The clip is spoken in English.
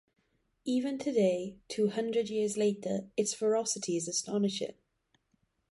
Even today, two hundred years later, its ferocity is astonishing.